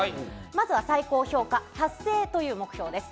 まずは最高評価、達成という目標です。